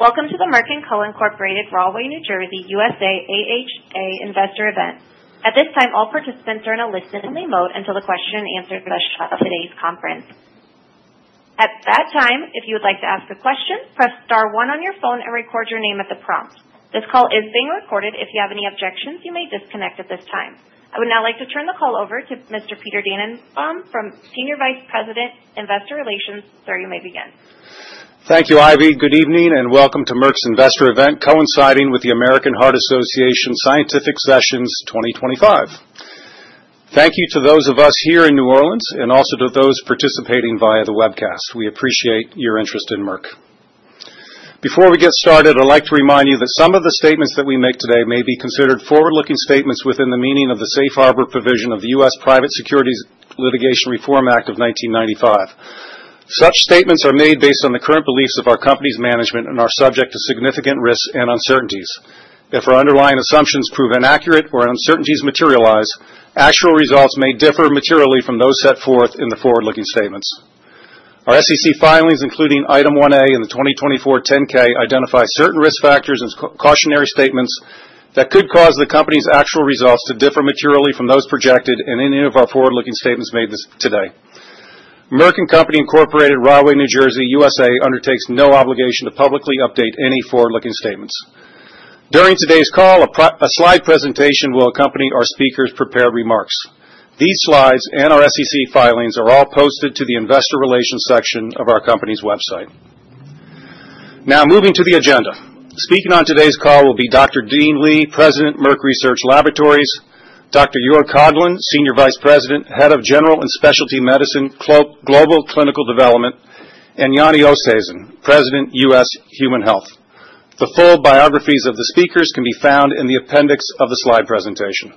Welcome to the Merck & Co., Inc. in Rahway, New Jersey, USA AHA Investor Event. At this time, all participants are in a listen-only mode until the question and answer session of today's conference. At that time, if you would like to ask a question, press star one on your phone and record your name at the prompt. This call is being recorded. If you have any objections, you may disconnect at this time. I would now like to turn the call over to Mr. Peter Dannenbaum from Senior Vice President, Investor Relations. Sir, you may begin. Thank you, Ivy. Good evening and welcome to Merck's Investor Event, coinciding with the American Heart Association Scientific Sessions 2025. Thank you to those of us here in New Orleans and also to those participating via the webcast. We appreciate your interest in Merck. Before we get started, I'd like to remind you that some of the statements that we make today may be considered forward-looking statements within the meaning of the safe harbor provision of the US Private Securities Litigation Reform Act of 1995. Such statements are made based on the current beliefs of our company's management and are subject to significant risks and uncertainties. If our underlying assumptions prove inaccurate or uncertainties materialize, actual results may differ materially from those set forth in the forward-looking statements. Our SEC filings, including Item 1A in the 2024 10-K, identify certain risk factors and cautionary statements that could cause the company's actual results to differ materially from those projected in any of our forward-looking statements made today. Merck & Co., Inc., Rahway, New Jersey, USA undertakes no obligation to publicly update any forward-looking statements. During today's call, a slide presentation will accompany our speakers' prepared remarks. These slides and our SEC filings are all posted to the Investor Relations section of our company's website. Now, moving to the agenda. Speaking on today's call will be Dr. Dean Li, President, Merck Research Laboratories, Dr. Joerg Koglin, Senior Vice President, Head of General and Specialty Medicine, Global Clinical Development, and Janni Oosthuizen, President, US Human Health. The full biographies of the speakers can be found in the appendix of the slide presentation.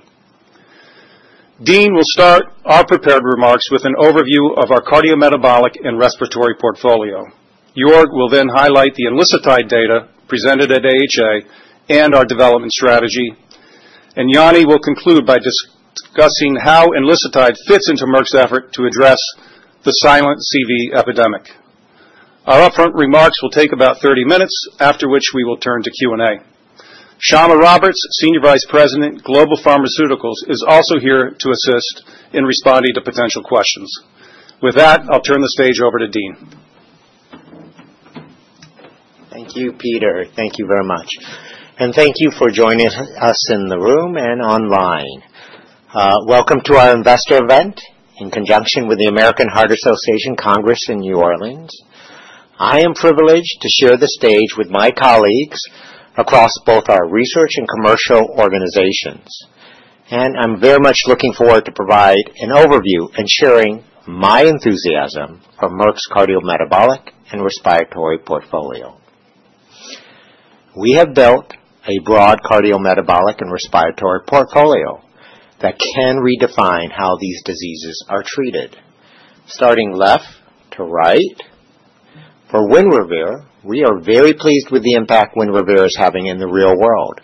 Dean will start our prepared remarks with an overview of our Cardiometabolic and Respiratory portfolio. Joerg will then highlight the Enlisted data presented at AHA and our development strategy, and Janni will conclude by discussing how Enlisted fits into Merck's effort to address the silent CV epidemic. Our upfront remarks will take about 30 minutes, after which we will turn to Q&A. Jana Roberts, Senior Vice President, Global Pharmaceuticals, is also here to assist in responding to potential questions. With that, I'll turn the stage over to Dean. Thank you, Peter. Thank you very much for joining us in the room and online. Welcome to our investor event in conjunction with the American Heart Association Scientific Sessions in New Orleans. I am privileged to share the stage with my colleagues across both our research and commercial organizations, and I'm very much looking forward to provide an overview and sharing my enthusiasm for Merck's cardiometabolic and respiratory portfolio. We have built a broad Cardiometabolic and Respiratory portfolio that can redefine how these diseases are treated, starting left to right. For Winrevair, we are very pleased with the impact Winrevair is having in the real world.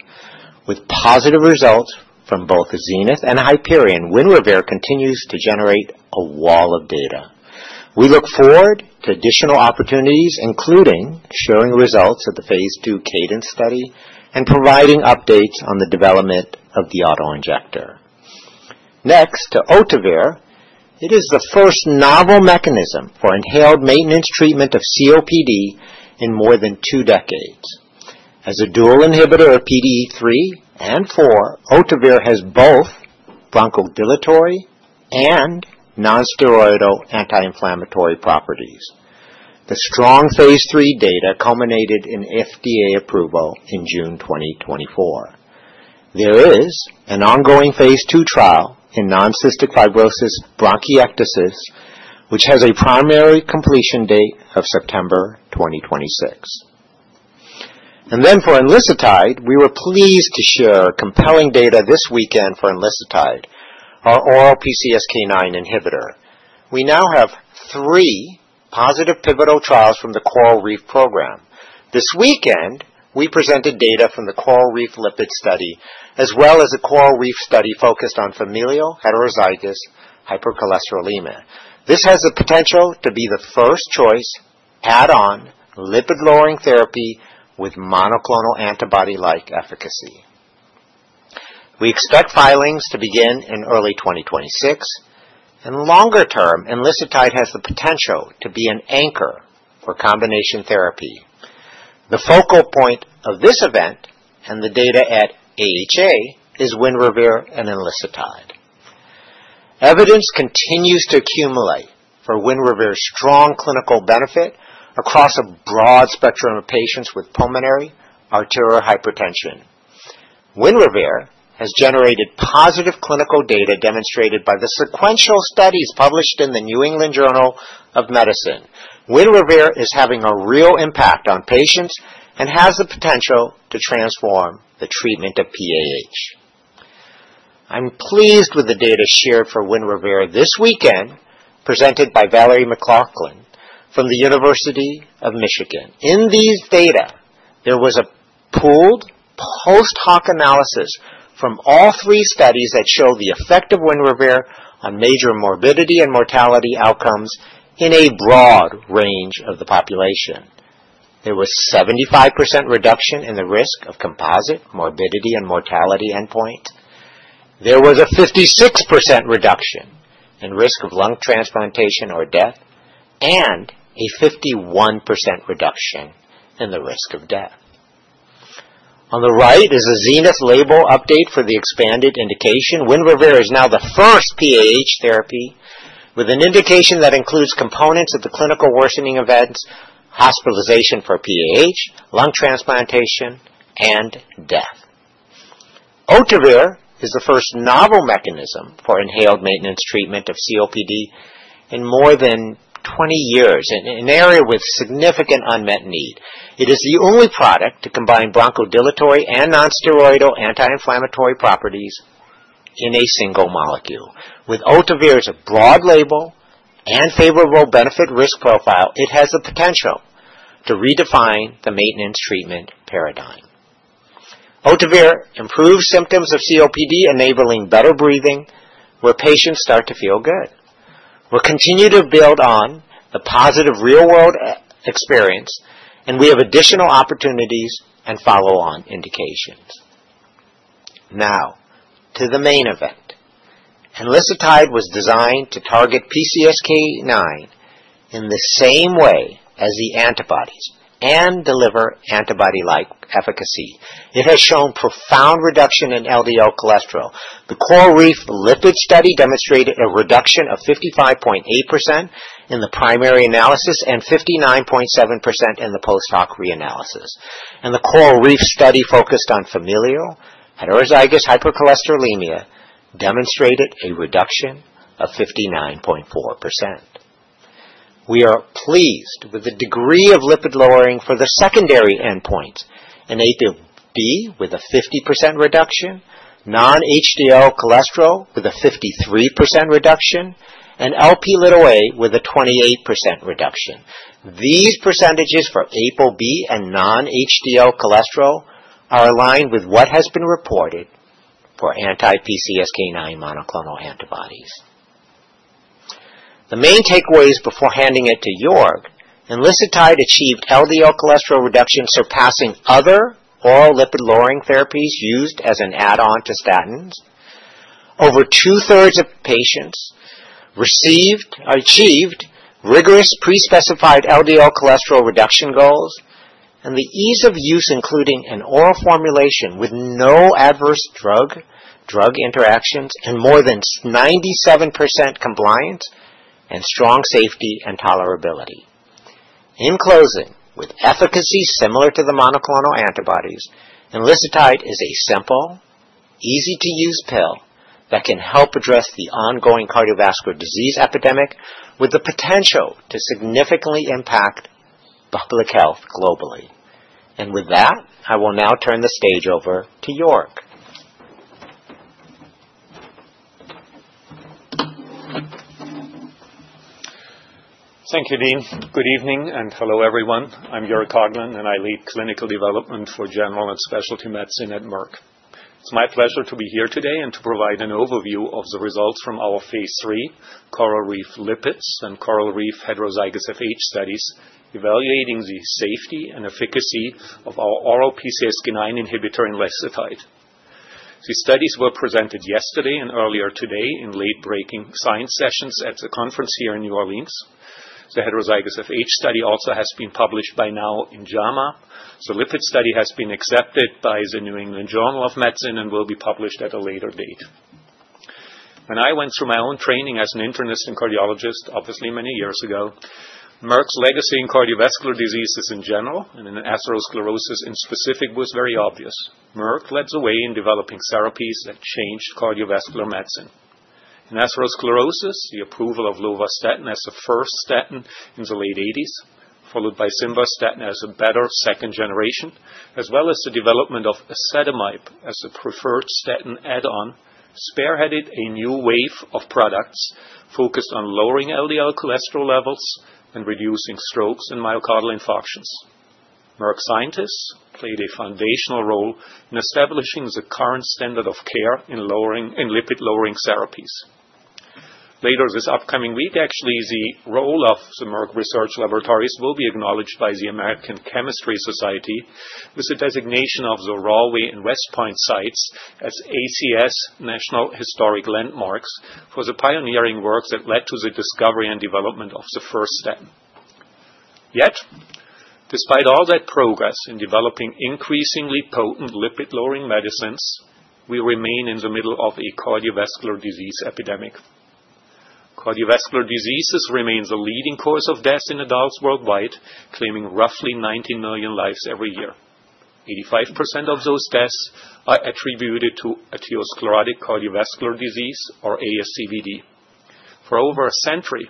With positive results from both ZENITH and HYPERION, Winrevair continues to generate a wall of data. We look forward to additional opportunities, including sharing results of the phase II CADENCE study and providing updates on the development of the auto injector. Next, Ohtuvayre. It is the first novel mechanism for inhaled maintenance treatment of COPD in more than two decades. As a dual inhibitor of PDE-3 and 4, Ohtuvayre has both bronchodilatory and nonsteroidal anti-inflammatory properties. The strong phase III data culminated in FDA approval in June 2024. There is an ongoing phase II trial in non-cystic fibrosis bronchiectasis, which has a primary completion date of September 2026, and then for MK-0616, we were pleased to share compelling data this weekend for MK-0616, our oral PCSK9 inhibitor. We now have three positive pivotal trials from the CORALreef program. This weekend, we presented data from the CORALreef Lipid study, as well as a CORALreef study focused on heterozygous familial hypercholesterolemia. This has the potential to be the first choice add-on lipid-lowering therapy with monoclonal antibody-like efficacy. We expect filings to begin in early 2026, and longer term, MK-0616 has the potential to be an anchor for combination therapy. The focal point of this event and the data at AHA is Winrevair and MK-0616. Evidence continues to accumulate for Winrevair's strong clinical benefit across a broad spectrum of patients with pulmonary arterial hypertension. Winrevair has generated positive clinical data demonstrated by the sequential studies published in the New England Journal of Medicine. Winrevair is having a real impact on patients and has the potential to transform the treatment of PAH. I'm pleased with the data shared for Winrevair this weekend, presented by Vallerie McLaughlin from the University of Michigan. In these data, there was a pooled post-hoc analysis from all three studies that showed the effect of Winrevair on major morbidity and mortality outcomes in a broad range of the population. There was a 75% reduction in the risk of composite morbidity and mortality endpoint. There was a 56% reduction in risk of lung transplantation or death and a 51% reduction in the risk of death. On the right is a ZENITH label update for the expanded indication. Winrevair is now the first PAH therapy with an indication that includes components of the clinical worsening events, hospitalization for PAH, lung transplantation, and death. Ohtuvayre is the first novel mechanism for inhaled maintenance treatment of COPD in more than 20 years, an area with significant unmet need. It is the only product to combine bronchodilatory and nonsteroidal anti-inflammatory properties in a single molecule. With Ohtuvayre's broad label and favorable benefit-risk profile, it has the potential to redefine the maintenance treatment paradigm. Ohtuvayre improves symptoms of COPD, enabling better breathing where patients start to feel good. We'll continue to build on the positive real-world experience, and we have additional opportunities and follow-on indications. Now, to the main event. MK-0616 was designed to target PCSK9 in the same way as the antibodies and deliver antibody-like efficacy. It has shown profound reduction in LDL cholesterol. The CORALreef lipid study demonstrated a reduction of 55.8% in the primary analysis and 59.7% in the Post-Hoc Reanalysis, and the CORALreef study focused on heterozygous familial hypercholesterolemia demonstrated a reduction of 59.4%. We are pleased with the degree of lipid lowering for the secondary endpoints, an ApoB with a 50% reduction, non-HDL cholesterol with a 53% reduction, and Lp(a) with a 28% reduction. These percentages for ApoB and non-HDL cholesterol are aligned with what has been reported for anti-PCSK9 monoclonal antibodies. The main takeaways before handing it to Joerg: MK-0616 achieved LDL cholesterol reduction surpassing other oral lipid-lowering therapies used as an add-on to statins. Over two-thirds of patients achieved rigorous pre-specified LDL cholesterol reduction goals, and the ease of use, including an oral formulation with no adverse drug interactions and more than 97% compliance and strong safety and tolerability. In closing, with efficacy similar to the monoclonal antibodies, MK-0616 is a simple, easy-to-use pill that can help address the ongoing cardiovascular disease epidemic with the potential to significantly impact public health globally. And with that, I will now turn the stage over to Joerg. Thank you, Dean. Good evening and hello, everyone. I'm Joerg Koglin, and I lead clinical development for general and specialty medicine at Merck. It's my pleasure to be here today and to provide an overview of the results from our phase three CORALreef Lipids and CORALreef Heterozygous FH studies, evaluating the safety and efficacy of our oral PCSK9 Inhibitor MK-0616. The studies were presented yesterday and earlier today in late-breaking science sessions at the conference here in New Orleans. The Heterozygous FH study also has been published by now in JAMA. The lipid study has been accepted by the New England Journal of Medicine and will be published at a later date. When I went through my own training as an internist and cardiologist, obviously many years ago, Merck's legacy in cardiovascular diseases in general and in Atherosclerosis in specific was very obvious. Merck led the way in developing therapies that changed cardiovascular medicine. In Atherosclerosis, the approval of Lovastatin as the first statin in the late '80s, followed by simvastatin as a better second generation, as well as the development of ezetimibe as a preferred statin add-on, spearheaded a new wave of products focused on lowering LDL cholesterol levels and reducing strokes and myocardial infarctions. Merck scientists played a foundational role in establishing the current standard of care in lipid-lowering therapies. Later, this upcoming week, actually, the role of the Merck Research Laboratories will be acknowledged by the American Chemical Society with the designation of the Raleigh and West Point sites as ACS National Historic Landmarks for the pioneering work that led to the discovery and development of the first step. Yet, despite all that progress in developing increasingly potent lipid-lowering medicines, we remain in the middle of a cardiovascular disease epidemic. Cardiovascular diseases remain the leading cause of death in adults worldwide, claiming roughly 19 million lives every year. 85% of those deaths are attributed to atherosclerotic cardiovascular disease, or ASCVD. For over a century,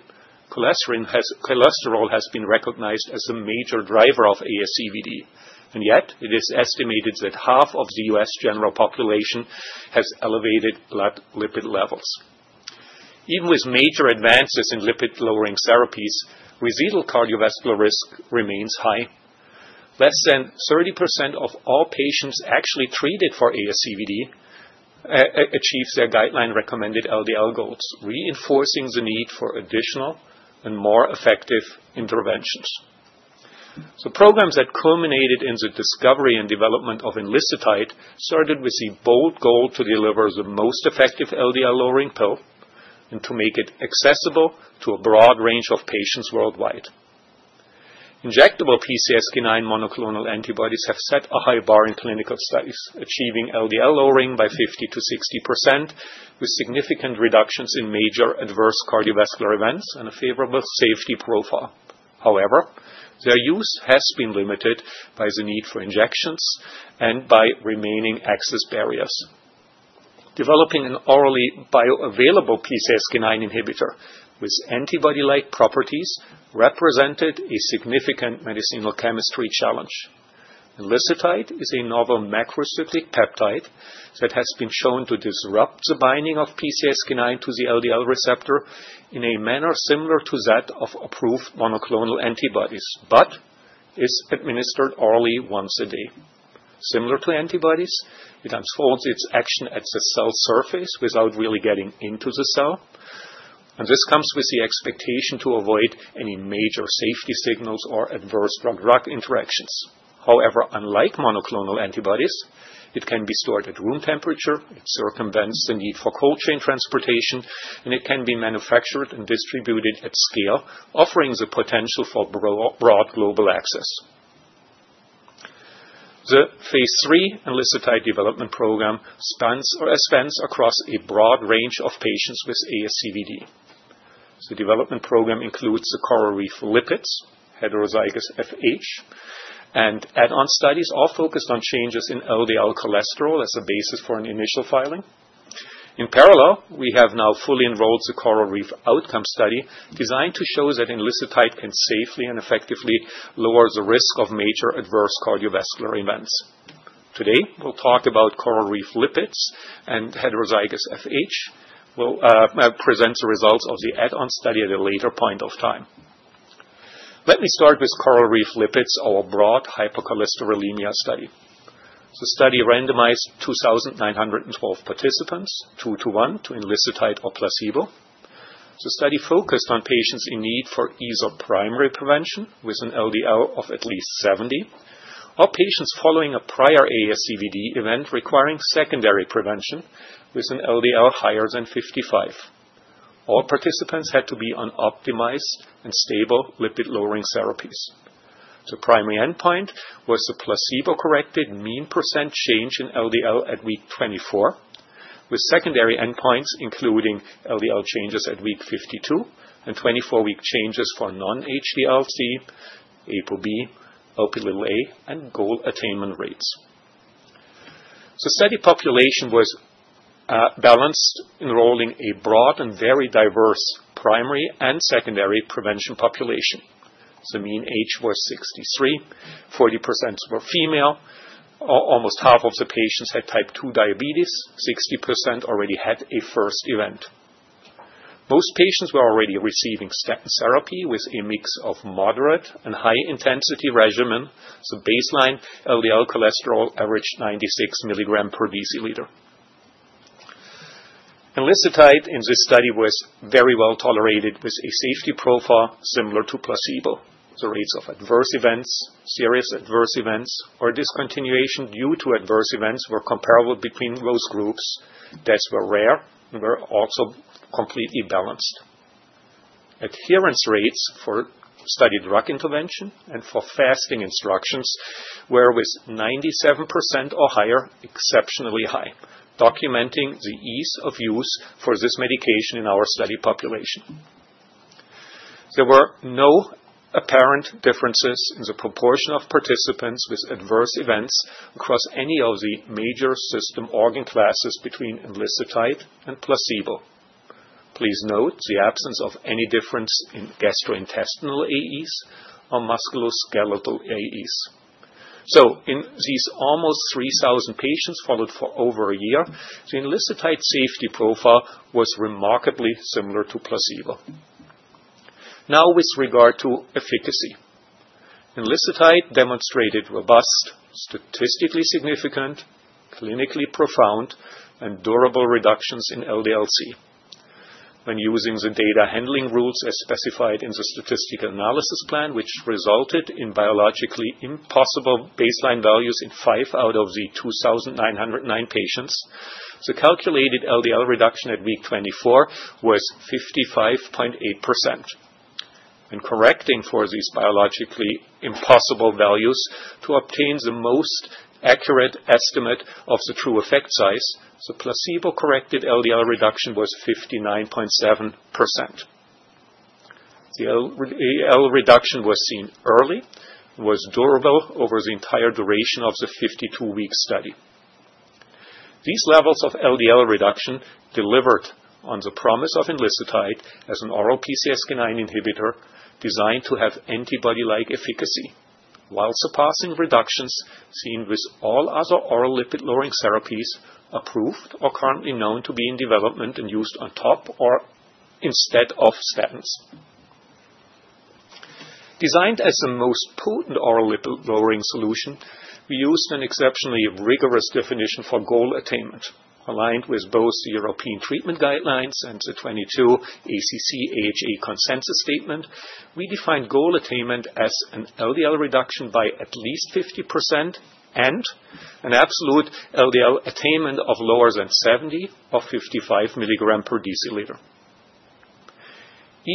cholesterol has been recognized as a major driver of ASCVD, and yet it is estimated that half of the US general population has elevated blood lipid levels. Even with major advances in lipid-lowering therapies, residual cardiovascular risk remains high. Less than 30% of all patients actually treated for ASCVD achieve their guideline-recommended LDL goals, reinforcing the need for additional and more effective interventions. The programs that culminated in the discovery and development of MK-0616 started with the bold goal to deliver the most effective LDL-lowering pill and to make it accessible to a broad range of patients worldwide. Injectable PCSK9 monoclonal antibodies have set a high bar in clinical studies, achieving LDL lowering by 50%-60% with significant reductions in major adverse cardiovascular events and a favorable safety profile. However, their use has been limited by the need for injections and by remaining access barriers. Developing an orally bioavailable PCSK9 Inhibitor with antibody-like properties represented a significant medicinal chemistry challenge. MK-0616 is a novel macrocytic peptide that has been shown to disrupt the binding of PCSK9 to the LDL receptor in a manner similar to that of approved monoclonal antibodies, but is administered orally once a day. Similar to antibodies, it unfolds its action at the cell surface without really getting into the cell, and this comes with the expectation to avoid any major safety signals or adverse drug interactions. However, unlike monoclonal antibodies, it can be stored at room temperature, it circumvents the need for cold chain transportation, and it can be manufactured and distributed at scale, offering the potential for broad global access. The phase III Enlisted development program spans across a broad range of patients with ASCVD. The development program includes the CORALreef Lipids, Heterozygous FH, and add-on studies all focused on changes in LDL cholesterol as a basis for an initial filing. In parallel, we have now fully enrolled the CORALreef outcome study designed to show that Enlisted can safely and effectively lower the risk of major adverse cardiovascular events. Today, we'll talk about CORALreef Lipids and Heterozygous FH. We'll present the results of the add-on study at a later point of time. Let me start with CORALreef lipids, our broad hypercholesterolemia study. The study randomized 2,912 participants, two to one, to Enlisted or placebo. The study focused on patients in need for ease of primary prevention with an LDL of at least 70, or patients following a prior ASCVD event requiring secondary prevention with an LDL higher than 55. All participants had to be on optimized and stable lipid-lowering therapies. The primary endpoint was the placebo-corrected mean percent change in LDL at week 24, with secondary endpoints including LDL changes at week 52 and 24-week changes for non-HDL, ApoB, Lp(a), and goal attainment rates. The study population was balanced, enrolling a broad and very diverse primary and secondary prevention population. The mean age was 63, 40% were female, almost half of the patients had type-2 diabetes, 60% already had a first event. Most patients were already receiving statin therapy with a mix of moderate and high-intensity regimen. The baseline LDL cholesterol averaged 96mg/dl. MK-0616 in this study was very well tolerated with a safety profile similar to placebo. The rates of adverse events, serious adverse events, or discontinuation due to adverse events were comparable between those groups that were rare and were also completely balanced. Adherence rates for studied drug intervention and for fasting instructions were with 97% or higher, exceptionally high, documenting the ease of use for this medication in our study population. There were no apparent differences in the proportion of participants with adverse events across any of the major system organ classes between MK-0616 and placebo. Please note the absence of any difference in Gastrointestinal AEs or Musculoskeletal AEs. So, in these almost 3,000 patients followed for over a year, the MK-0616 safety profile was remarkably similar to placebo. Now, with regard to efficacy, MK-0616 demonstrated robust, statistically significant, clinically profound, and durable reductions in LDL-C. When using the data handling rules as specified in the statistical analysis plan, which resulted in biologically impossible baseline values in five out of the 2,909 patients, the calculated LDL reduction at week 24 was 55.8%. When correcting for these biologically impossible values to obtain the most accurate estimate of the true effect size, the placebo-corrected LDL reduction was 59.7%. The LDL reduction was seen early, was durable over the entire duration of the 52-week study. These levels of LDL reduction delivered on the promise of MK-0616 as an oral PCSK9 Inhibitor designed to have antibody-like Efficacy while surpassing reductions seen with all other oral lipid-lowering therapies approved or currently known to be in development and used on top or instead of statins. Designed as the most potent oral lipid-lowering solution, we used an exceptionally rigorous definition for goal attainment. Aligned with both the European treatment guidelines and the 2022 ACC/AHA consensus statement, we defined goal attainment as an LDL reduction by at least 50% and an absolute LDL attainment of lower than 70 or 55 milligrams per deciliter.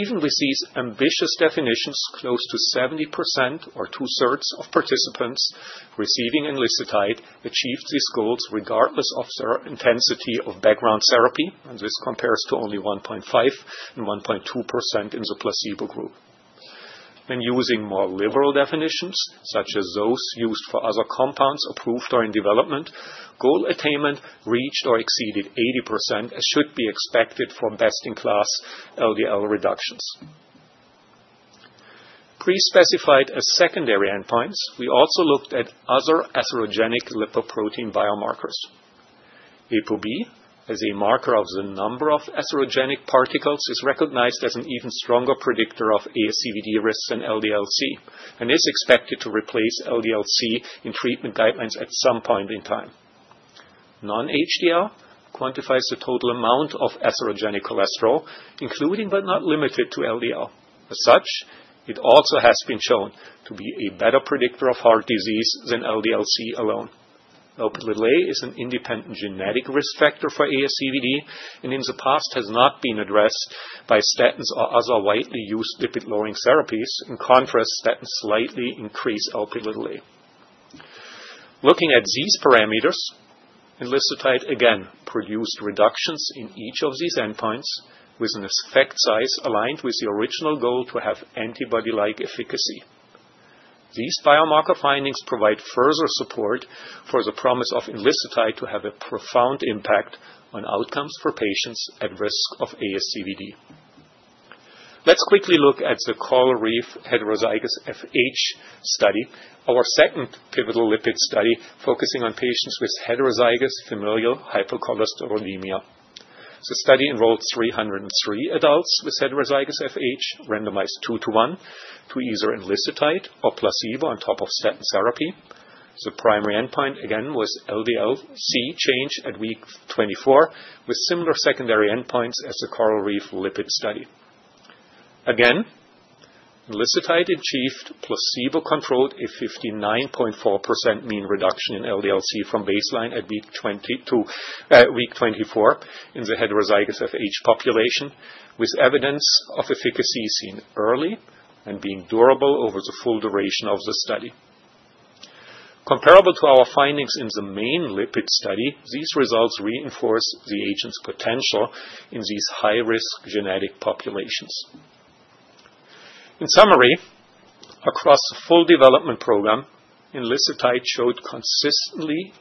Even with these ambitious definitions, close to 70% or two-thirds of participants receiving MK-0616 achieved these goals regardless of their intensity of background therapy, and this compares to only 1.5 and 1.2% in the placebo group. When using more liberal definitions, such as those used for other compounds approved or in development, goal attainment reached or exceeded 80%, as should be expected from best-in-class LDL reductions. Pre-specified as Secondary Endpoints, we also looked at other Atherogenic Lipoprotein Biomarkers. ApoB, as a marker of the number of atherogenic particles, is recognized as an even stronger predictor of ASCVD risks and LDL-C, and is expected to replace LDL-C in treatment guidelines at some point in time. Non-HDL quantifies the total amount of Atherogenic Cholesterol, including but not limited to LDL. As such, it also has been shown to be a better predictor of heart disease than LDL-C alone. Lp(a) is an independent genetic risk factor for ASCVD and in the past has not been addressed by statins or other widely used lipid-lowering therapies. In contrast, statins slightly increase Lp(a). Looking at these parameters, Enlisted again produced reductions in each of these endpoints with an effect size aligned with the original goal to have antibody-like efficacy. These biomarker findings provide further support for the promise of Enlisted to have a profound impact on outcomes for patients at risk of ASCVD. Let's quickly look at the CORALreef Heterozygous FH study, our second pivotal lipid study focusing on patients with heterozygous familial hypercholesterolemia. The study enrolled 303 adults with Heterozygous FH, randomized two to one, to either MK-0616 or placebo on top of statin Therapy. The primary endpoint again was LDL-C change at week 24, with similar secondary endpoints as the CORALreef lipids study. Again, MK-0616 achieved placebo-controlled a 59.4% mean reduction in LDL-C from baseline at week 24 in the heterozygous FH population, with evidence of efficacy seen early and being durable over the full duration of the study. Comparable to our findings in the main lipid study, these results reinforce the agent's potential in these high-risk genetic populations. In summary, across the full development program, MK-0616 showed consistently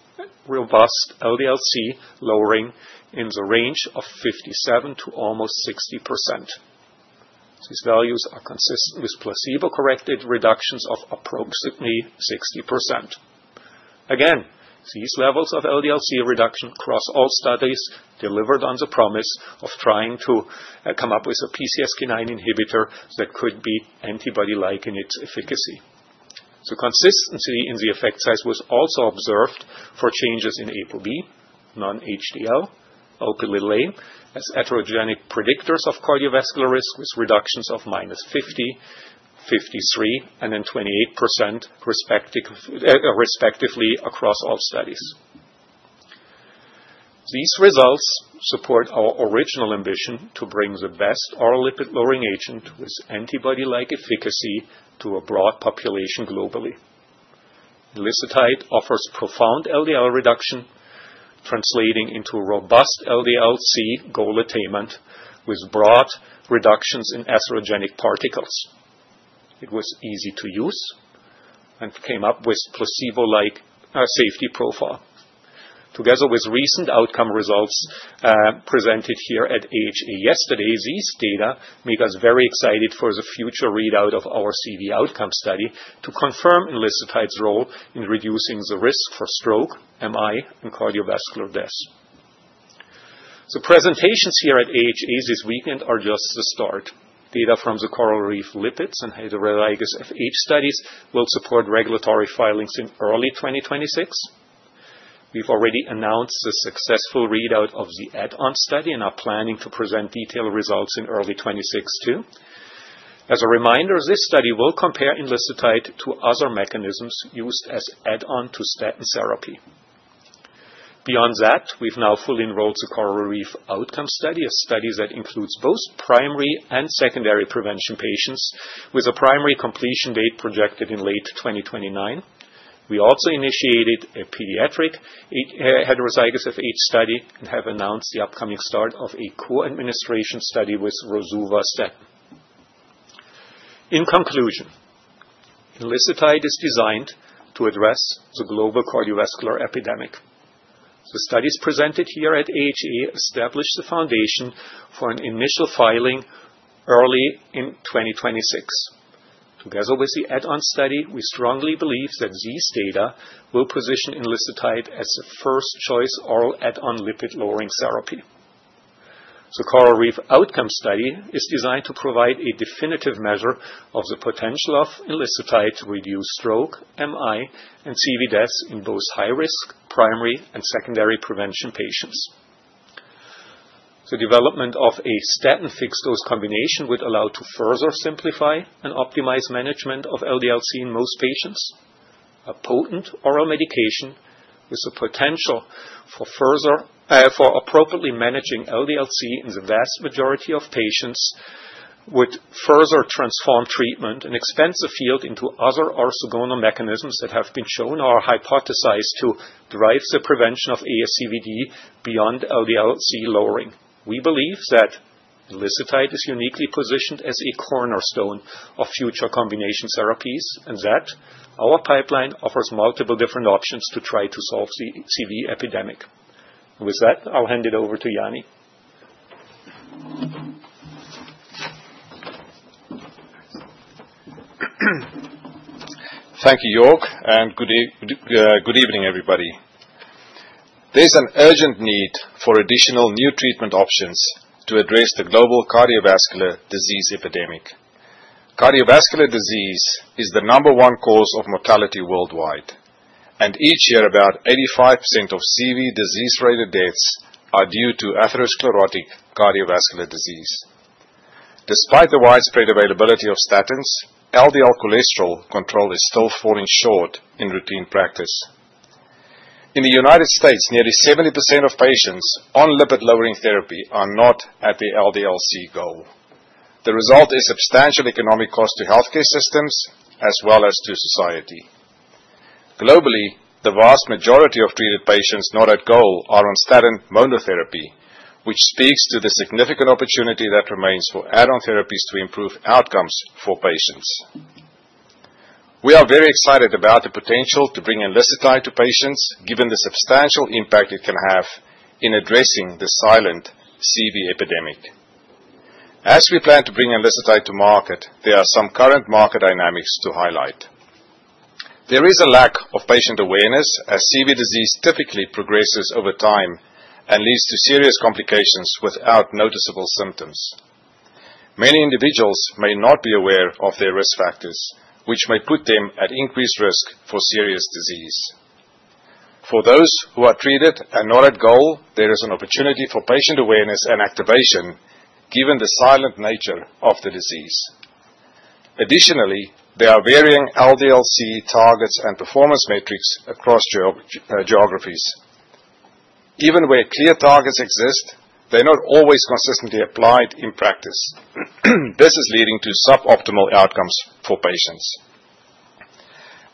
robust LDL-C lowering in the range of 57% to almost 60%. These values are consistent with placebo-corrected reductions of approximately 60%. Again, these levels of LDL-C reduction across all studies delivered on the promise of trying to come up with a PCSK9 Inhibitor that could be antibody-like in its efficacy. The consistency in the effect size was also observed for changes in ApoB, non-HDL, Lp(a), as atherogenic predictors of cardiovascular risk with reductions of minus 50%, 53%, and then 28% respectively across all studies. These results support our original ambition to bring the best oral lipid-lowering agent with antibody-like efficacy to a broad population globally. Enlisted offers profound LDL reduction, translating into robust LDL-C goal attainment with broad reductions in atherogenic particles. It was easy to use and came up with placebo-like safety profile. Together with recent outcome results presented here at AHA yesterday, these data make us very excited for the future readout of our CV outcome study to confirm Enlisted's role in reducing the risk for stroke, MI, and cardiovascular deaths. The presentations here at AHA this weekend are just the start. Data from the CORALreef Lipids and Heterozygous FH studies will support regulatory filings in early 2026. We've already announced the successful readout of the add-on study and are planning to present detailed results in early 2026 too. As a reminder, this study will compare Enlisted to other mechanisms used as add-on to statin therapy. Beyond that, we've now fully enrolled the CORALreef outcome study of studies that includes both primary and secondary prevention patients with a primary completion date projected in late 2029. We also initiated a pediatric Heterozygous FH study and have announced the upcoming start of a co-administration study with rosuvastatin. In conclusion, MK-0616 is designed to address the global cardiovascular epidemic. The studies presented here at AHA established the foundation for an initial filing early in 2026. Together with the add-on study, we strongly believe that these data will position MK-0616 as the first choice oral add-on lipid-lowering therapy. The CORALreef outcome study is designed to provide a definitive measure of the potential of MK-0616 to reduce stroke, MI, and CV deaths in both high-risk primary and secondary prevention patients. The development of a statin fixed dose combination would allow to further simplify and optimize management of LDL-C in most patients. A potent oral medication with the potential for appropriately managing LDL-C in the vast majority of patients would further transform treatment, an expensive field, into other novel mechanisms that have been shown or hypothesized to drive the prevention of ASCVD beyond LDL-C lowering. We believe that Enlisted is uniquely positioned as a cornerstone of future combination therapies and that our pipeline offers multiple different options to try to solve the CV epidemic. With that, I'll hand it over to Janni. Thank you, Jeorg. Good evening, everybody. There's an urgent need for additional new treatment options to address the Global cardiovascular disease epidemic. Cardiovascular disease is the number one cause of mortality worldwide, and each year about 85% of CV disease-related deaths are due to atherosclerotic cardiovascular disease. Despite the widespread availability of statins, LDL cholesterol control is still falling short in routine practice. In the United States, nearly 70% of patients on lipid-lowering Therapy are not at the LDL-C goal. The result is substantial economic cost to healthcare systems as well as to society. Globally, the vast majority of treated patients not at goal are on statin Monotherapy, which speaks to the significant opportunity that remains for add-on therapies to improve outcomes for patients. We are very excited about the potential to bring MK-0616 to patients, given the substantial impact it can have in addressing the silent CV epidemic. As we plan to bring MK-0616 to market, there are some current market dynamics to highlight. There is a lack of patient awareness as CV disease typically progresses over time and leads to serious complications without noticeable symptoms. Many individuals may not be aware of their risk factors, which may put them at increased risk for serious disease. For those who are treated and not at goal, there is an opportunity for patient awareness and activation given the silent nature of the disease. Additionally, there are varying LDL-C targets and performance metrics across geographies. Even where clear targets exist, they're not always consistently applied in practice. This is leading to suboptimal outcomes for patients.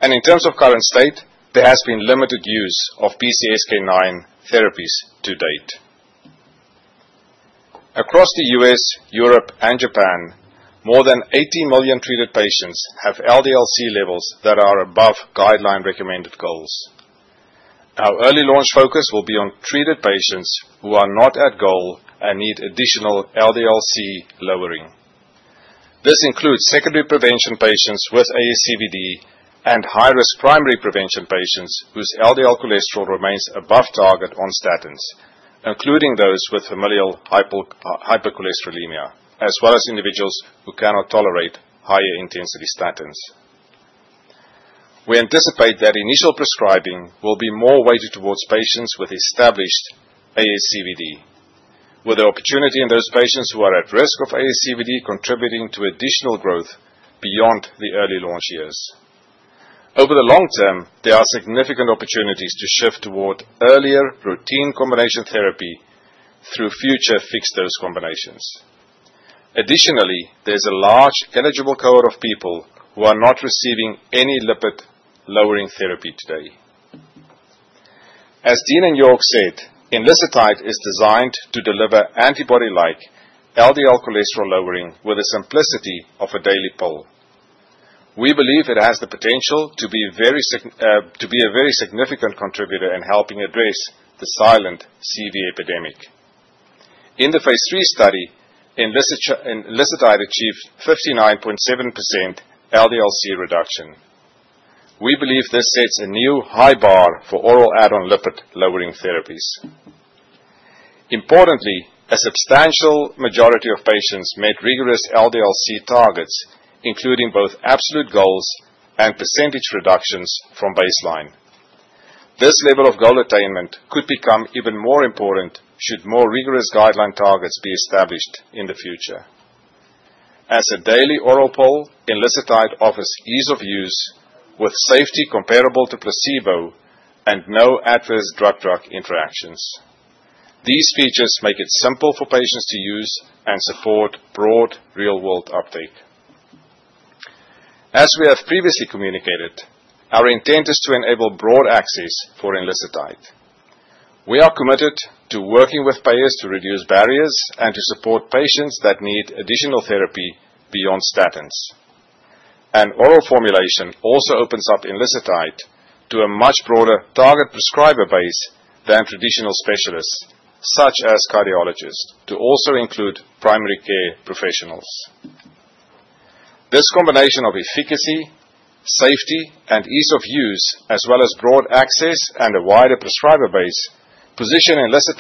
And in terms of current state, there has been limited use of PCSK9 therapies to date. Across the US, Europe, and Japan, more than 80 million treated patients have LDL-C levels that are above guideline-recommended goals. Our early launch focus will be on treated patients who are not at goal and need additional LDL-C lowering. This includes secondary prevention patients with ASCVD and high-risk primary prevention patients whose LDL cholesterol remains above target on statins, including those with Familial Hypercholesterolemia, as well as individuals who cannot tolerate higher-intensity statins. We anticipate that initial prescribing will be more weighted towards patients with established ASCVD, with the opportunity in those patients who are at risk of ASCVD contributing to additional growth beyond the early launch years. Over the long term, there are significant opportunities to shift toward earlier routine combination therapy through future fixed dose combinations. Additionally, there's a large eligible cohort of people who are not receiving any lipid-lowering therapy today. As Dean and Joerg said, Enlisted is designed to deliver antibody-like LDL Cholesterol lowering with the simplicity of a daily pill. We believe it has the potential to be a very significant contributor in helping address the silent CV epidemic. In the phase III study, Enlisted achieved 59.7% LDL-C reduction. We believe this sets a new high bar for oral add-on lipid-lowering therapies. Importantly, a substantial majority of patients met rigorous LDL-C targets, including both absolute goals and percentage reductions from baseline. This level of goal attainment could become even more important should more rigorous guideline targets be established in the future. As a daily oral pill, Enlisted offers ease of use with safety comparable to placebo and no adverse drug interactions. These features make it simple for patients to use and support broad real-world uptake. As we have previously communicated, our intent is to enable broad access for Enlisted. We are committed to working with payers to reduce barriers and to support patients that need additional therapy beyond statins. An oral formulation also opens up Enlisted to a much broader target prescriber base than traditional specialists, such as cardiologists, to also include primary care professionals. This combination of efficacy, safety, and ease of use, as well as broad access and a wider prescriber base, positions Enlisted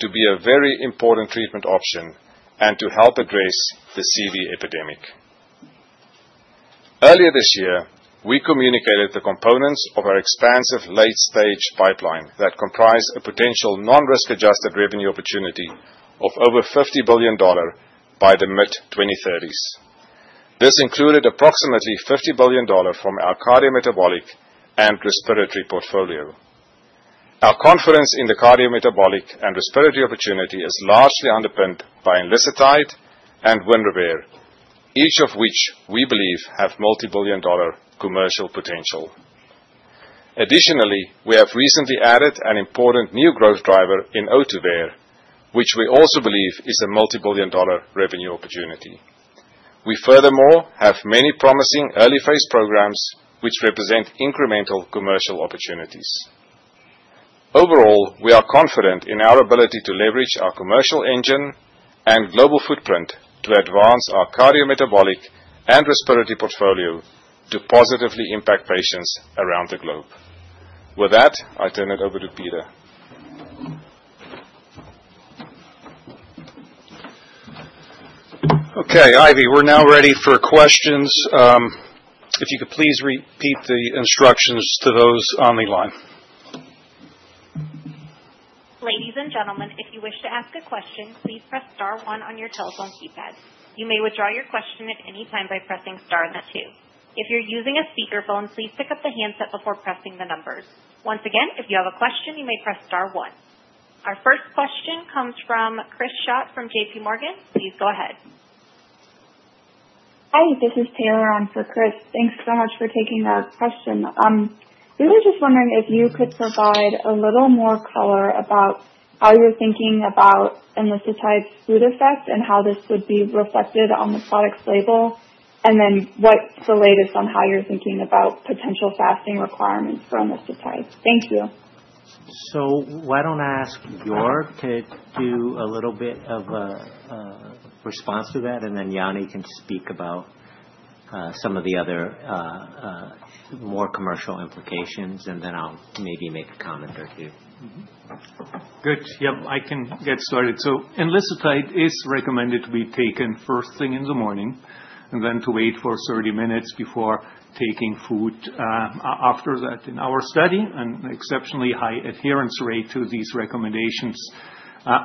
to be a very important treatment option and to help address the CV epidemic. Earlier this year, we communicated the components of our expansive late-stage pipeline that comprised a potential non-risk-adjusted revenue opportunity of over $50 billion by the mid-2030s. This included approximately $50 billion from our Cardiometabolic and Respiratory portfolio. Our confidence in the cardiometabolic and respiratory opportunity is largely underpinned by Enlisted and Winrevair, each of which we believe have multi-billion-dollar commercial potential. Additionally, we have recently added an important new growth driver in Ohtuvayre, which we also believe is a multi-billion-dollar revenue opportunity. We furthermore have many promising early-phase programs which represent incremental commercial opportunities. Overall, we are confident in our ability to leverage our commercial engine and global footprint to advance our Cardiometabolic and Respiratory portfolio to positively impact patients around the globe. With that, I turn it over to Peter. Okay, Ivy, we're now ready for questions. If you could please repeat the instructions to those on the line. Ladies and gentlemen, if you wish to ask a question, please press star one on your telephone keypad. You may withdraw your question at any time by pressing star two. If you're using a speakerphone, please pick up the handset before pressing the numbers. Once again, if you have a question, you may press star one. Our first question comes from Chris Schott from JPMorgan. Please go ahead. Hi, this is Taylor on for Chris. Thanks so much for taking our question. We were just wondering if you could provide a little more color about how you're thinking about Enlisted food effect and how this would be reflected on the product's label, and then what's the latest on how you're thinking about potential fasting requirements for Enlisted? Thank you. Why don't I ask Joerg to do a little bit of a response to that, and then Janni can speak about some of the other more commercial implications, and then I'll maybe make a comment or two. Good. Yep, I can get started. Enlisted is recommended to be taken first thing in the morning and then to wait for 30 minutes before taking food. After that, in our study, an exceptionally high adherence rate to these recommendations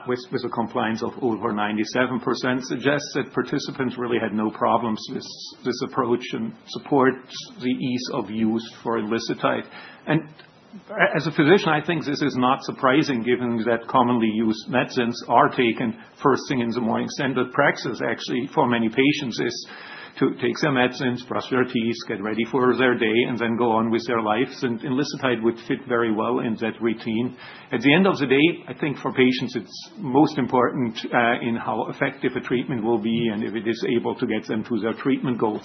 with a compliance of over 97% suggests that participants really had no problems with this approach and supports the ease of use for Enlisted. As a physician, I think this is not surprising given that commonly used medicines are taken first thing in the morning. Standard practice actually for many patients is to take some medicines, brush their teeth, get ready for their day, and then go on with their lives. And Enlisted would fit very well in that routine. At the end of the day, I think for patients, it's most important in how effective a treatment will be and if it is able to get them to their treatment goals.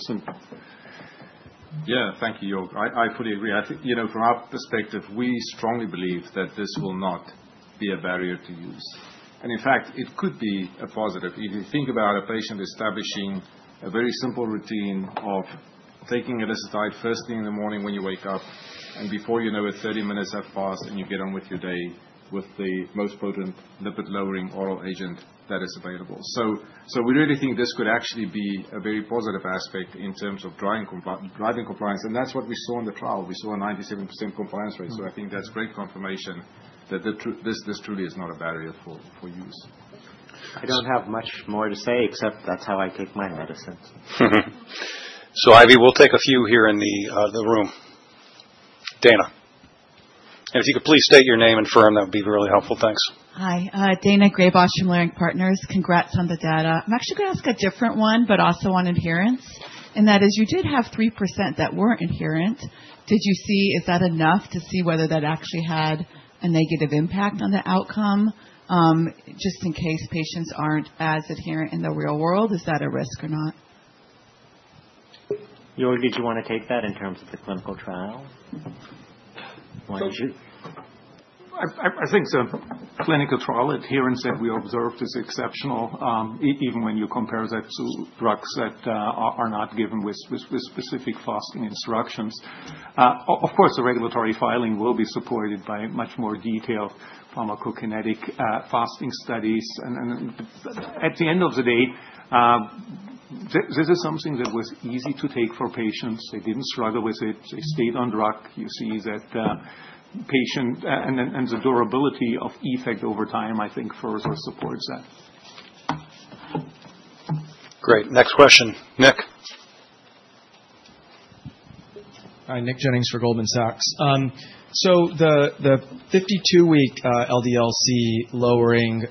Yeah, thank you, Joerg. I fully agree. From our perspective, we strongly believe that this will not be a barrier to use. And in fact, it could be a positive. If you think about a patient establishing a very simple routine of taking Enlisted first thing in the morning when you wake up and before you know it, 30 minutes have passed and you get on with your day with the most potent lipid-lowering Oral agent that is available. So we really think this could actually be a very positive aspect in terms of driving compliance. And that's what we saw in the trial. We saw a 97% compliance rate. So I think that's great confirmation that this truly is not a barrier for use. I don't have much more to say except that's how I take my medicine. So Ivy, we'll take a few here in the room. Daina. And if you could please state your name and firm, that would be really helpful. Thanks. Hi. Daina Graybosch from Leerink Partners. Congrats on the data. I'm actually going to ask a different one, but also on adherence. And that is, you did have 3% that weren't adherent. Did you see, is that enough to see whether that actually had a negative impact on the outcome? Just in case patients aren't as adherent in the real world, is that a risk or not? York, did you want to take that in terms of the clinical trial? I think the clinical trial adherence that we observed is exceptional, even when you compare that to drugs that are not given with specific fasting instructions. Of course, the regulatory filing will be supported by much more detailed pharmacokinetic fasting studies. And at the end of the day, this is something that was easy to take for patients. They didn't struggle with it. They stayed on drug. You see that patient and the durability of effect over time, I think, further supports that. Great. Next question. Nick. Hi, Nick Jennings for Goldman Sachs. So the 52-week LDL-C lowering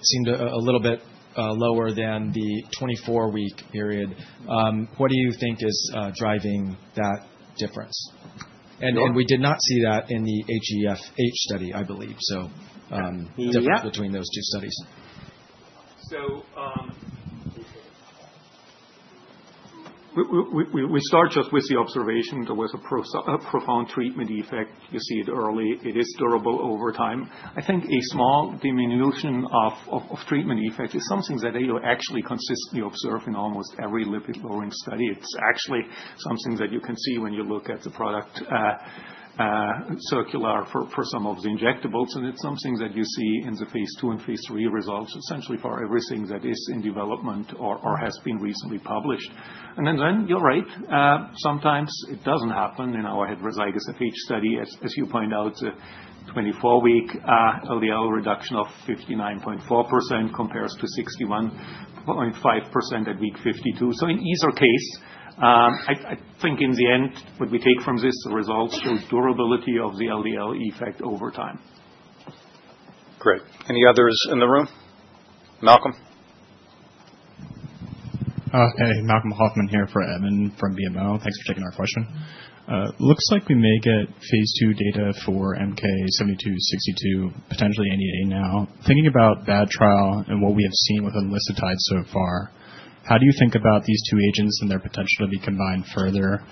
seemed a little bit lower than the 24-week period. What do you think is driving that difference? And we did not see that in the HeFH study, I believe. So difference between those two studies. We start just with the observation. There was a profound treatment effect. You see it early. It is durable over time. I think a small diminution of treatment effect is something that you actually consistently observe in almost every lipid-lowering study. It's actually something that you can see when you look at the product circular for some of the injectables. It's something that you see in the phase two and phase three results, essentially for everything that is in development or has been recently published. You're right. Sometimes it doesn't happen in our Heterozygous FH study. As you point out, the 24-week LDL reduction of 59.4% compares to 61.5% at week 52. In either case, I think in the end, what we take from this results shows durability of the LDL effect over time. Great. Any others in the room? Malcolm? Hey, Malcolm Hoffman here for Evan from BMO. Thanks for taking our question. Looks like we may get phase two data for MK-7262, potentially NEA now. Thinking about that trial and what we have seen with Enlisted so far, how do you think about these two agents and their potential to be combined further?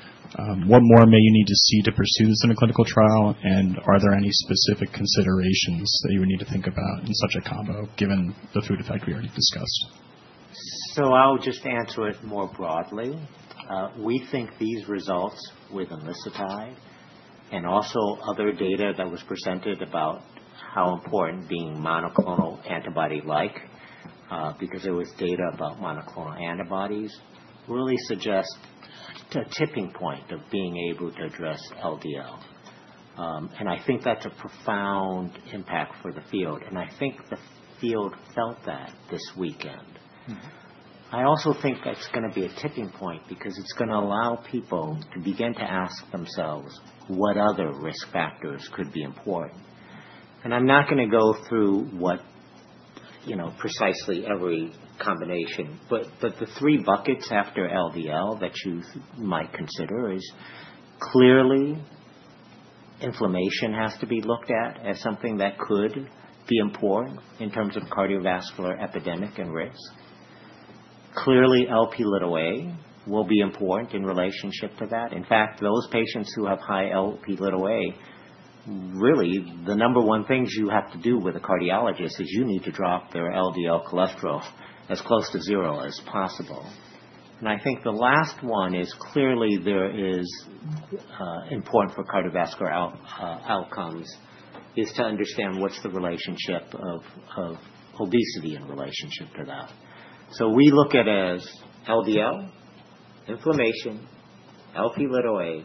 What more may you need to see to pursue this in a clinical trial? And are there any specific considerations that you would need to think about in such a combo, given the food effect we already discussed? So I'll just answer it more broadly. We think these results with MK-0616 and also other data that was presented about how important being monoclonal antibody-like, because there was data about monoclonal antibodies, really suggests a tipping point of being able to address LDL. And I think that's a profound impact for the field. And I think the field felt that this weekend. I also think that's going to be a tipping point because it's going to allow people to begin to ask themselves what other risk factors could be important. I'm not going to go through what precisely every combination, but the three buckets after LDL that you might consider is clearly inflammation has to be looked at as something that could be important in terms of cardiovascular events and risk. Clearly, Lp(a) will be important in relationship to that. In fact, those patients who have high Lp(a), really the number one things you have to do with a cardiologist is you need to drop their LDL cholesterol as close to zero as possible. And I think the last one is clearly important for cardiovascular outcomes is to understand what's the relationship of obesity in relationship to that. So we look at as LDL, inflammation, Lp(a),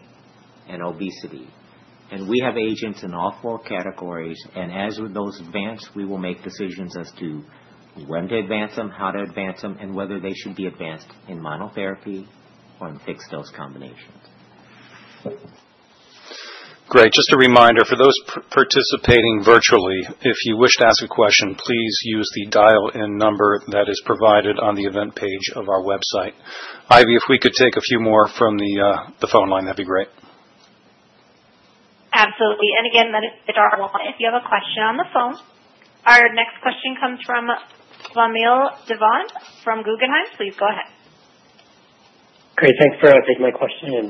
and obesity. And we have agents in all four categories. And as with those advanced, we will make decisions as to when to advance them, how to advance them, and whether they should be advanced in monotherapy or in fixed dose combinations. Great. Just a reminder for those participating virtually, if you wish to ask a question, please use the dial-in number that is provided on the event page of our website. Ivy, if we could take a few more from the phone line, that'd be great. Absolutely. And again, that is Darwin. If you have a question on the phone, our next question comes from Vamil Divan from Guggenheim. Please go ahead. Great. Thanks for taking my question and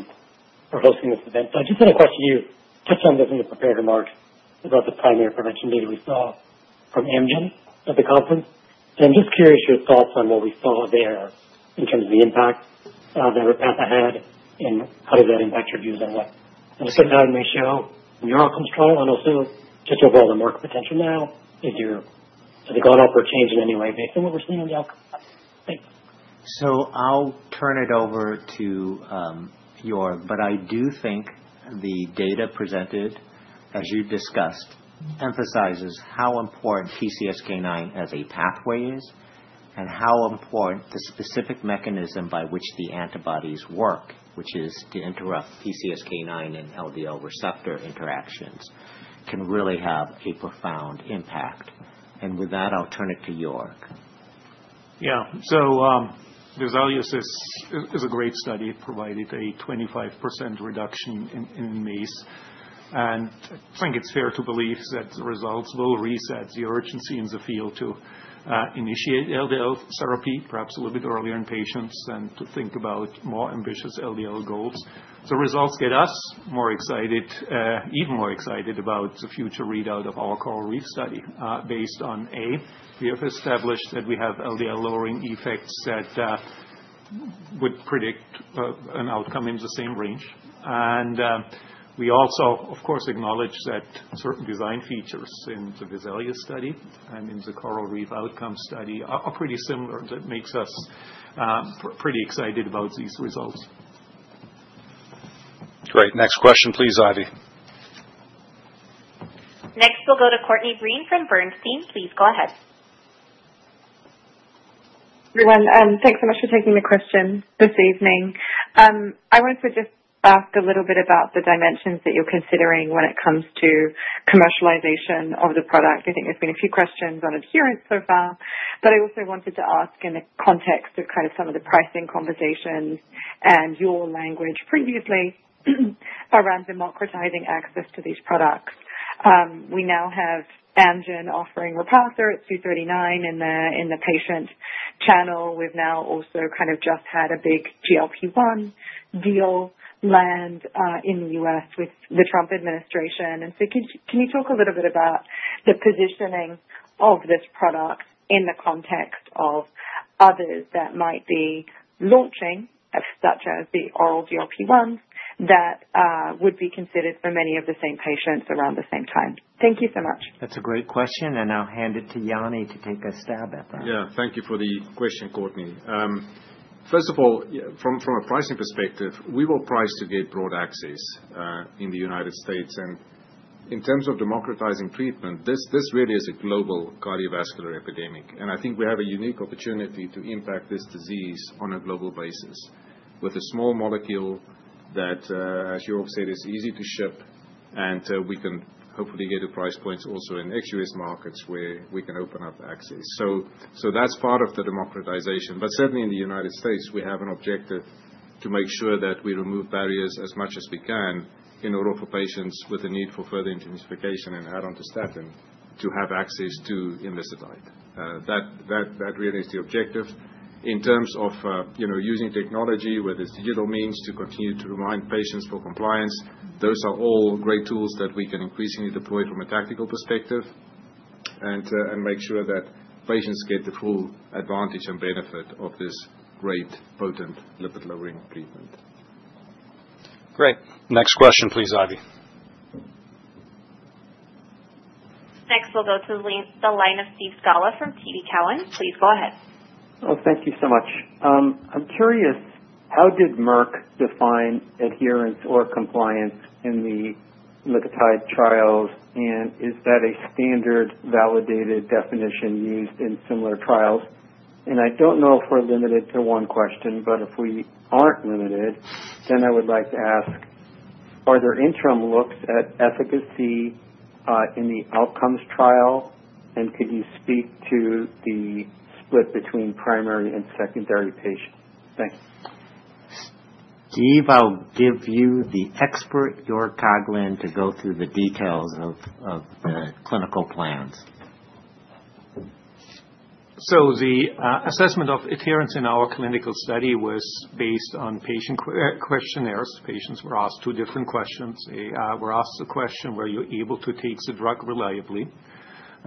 for hosting this event. I just had a question. You touched on this in the prepared remark about the primary prevention data we saw from Amgen at the conference. And I'm just curious your thoughts on what we saw there in terms of the impact that it had and how does that impact your views on what we said in the show and your outcomes trial and also just overall the market potential now. Has it gone up or changed in any way based on what we're seeing on the outcomes? Thanks. So I'll turn it over to Joerg, but I do think the data presented, as you discussed, emphasizes how important PCSK9 as a pathway is and how important the specific mechanism by which the antibodies work, which is to interrupt PCSK9 and LDL receptor interactions, can really have a profound impact. And with that, I'll turn it to Joerg. Yeah. So the evaluation is a great study provided a 25% reduction in MACE. And I think it's fair to believe that the results will reset the urgency in the field to initiate LDL therapy, perhaps a little bit earlier in patients and to think about more ambitious LDL goals. The results get us more excited, even more excited about the future readout of our CORALreef study based on A, we have established that we have LDL lowering effects that would predict an outcome in the same range. And we also, of course, acknowledge that certain design features in the VESALIUS study and in the coral reef outcome study are pretty similar. That makes us pretty excited about these results. Great. Next question, please, Ivy. Next, we'll go to Courtney Breen from Bernstein. Please go ahead. Everyone, thanks so much for taking the question this evening. I wanted to just ask a little bit about the dimensions that you're considering when it comes to commercialization of the product. I think there's been a few questions on adherence so far, but I also wanted to ask in the context of kind of some of the pricing conversations and your language previously around democratizing access to these products. We now have Amgen offering Repatha. It's $239 in the patient channel. We've now also kind of just had a big GLP-1 deal land in the US with the Trump administration. And so can you talk a little bit about the positioning of this product in the context of others that might be launching, such as the oral GLP-1s that would be considered for many of the same patients around the same time? Thank you so much. That's a great question, and I'll hand it to Janni to take a stab at that. Yeah. Thank you for the question, Courtney. First of all, from a pricing perspective, we will price to get broad access in the United States. And in terms of democratizing treatment, this really is a global cardiovascular epidemic. And I think we have a unique opportunity to impact this disease on a global basis with a small molecule that, as Jeorg said, is easy to ship, and we can hopefully get a price point also in ex-US markets where we can open up access. So that's part of the democratization. But certainly in the United States, we have an objective to make sure that we remove barriers as much as we can in order for patients with a need for further intensification and add-on to statin to have access to Enlisted. That really is the objective. In terms of using technology, whether it's digital means to continue to remind patients for compliance, those are all great tools that we can increasingly deploy from a tactical perspective and make sure that patients get the full advantage and benefit of this great, potent lipid-lowering treatment. Great. Next question, please, Ivy. Next, we'll go to the line of Steve Scala from TD Cowen. Please go ahead. Thank you so much. I'm curious, how did Merck define adherence or compliance in the lipid trials? And is that a standard validated definition used in similar trials? And I don't know if we're limited to one question, but if we aren't limited, then I would like to ask, are there interim looks at efficacy in the outcomes trial? And could you speak to the split between primary and secondary patients? Thanks. Steve, I'll give you the expert Jeorg Koglin, to go through the details of the clinical plans. The assessment of adherence in our clinical study was based on patient questionnaires. Patients were asked two different questions. They were asked the question, were you able to take the drug reliably?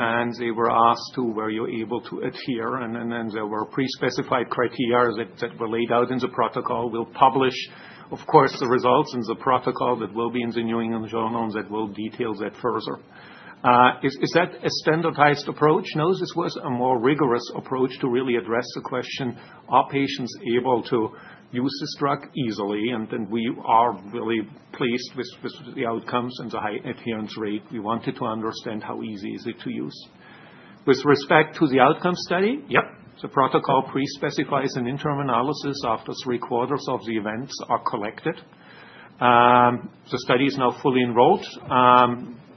And they were asked to, were you able to adhere? And then there were pre-specified criteria that were laid out in the protocol. We'll publish, of course, the results in the protocol that will be in the New England Journal of Medicine and that will detail that further. Is that a standardized approach? No, this was a more rigorous approach to really address the question, are patients able to use this drug easily? And then we are really pleased with the outcomes and the high adherence rate. We wanted to understand how easy is it to use. With respect to the outcome study, yep, the protocol pre-specifies an interim analysis after three quarters of the events are collected. The study is now fully enrolled.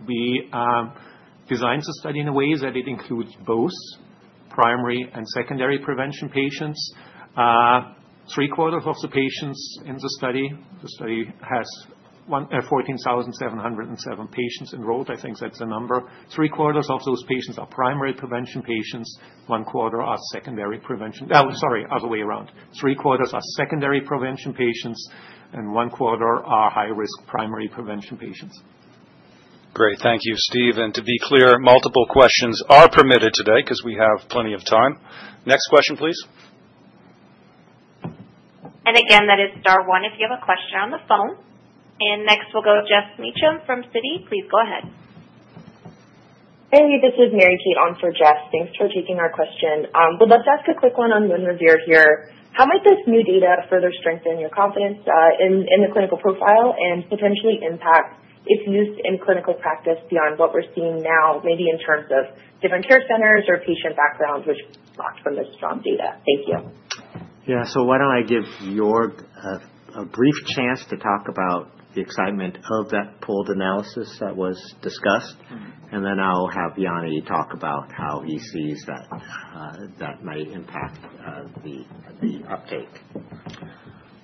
We designed the study in a way that it includes both primary and secondary prevention patients. Three quarters of the patients in the study, the study has 14,707 patients enrolled. I think that's a number. Three quarters of those patients are primary prevention patients. One quarter are secondary prevention. Sorry, other way around. Three quarters are secondary prevention patients, and one quarter are high-risk primary prevention patients. Great. Thank you, Steve. And to be clear, multiple questions are permitted today because we have plenty of time. Next question, please. And again, that is Darwin if you have a question on the phone. And next, we'll go to Jess Meacham from CDI. Please go ahead. Hey, this is Mary Keaton for Jess. Thanks for taking our question. We'd love to ask a quick one on Winrevair here. How might this new data further strengthen your confidence in the clinical profile and potentially impact its use in clinical practice beyond what we're seeing now, maybe in terms of different care centers or patient backgrounds, which benefit from this strong data? Thank you. Yeah, so why don't I give Joerg a brief chance to talk about the excitement of that pooled analysis that was discussed? And then I'll have Janni talk about how he sees that that might impact the uptake,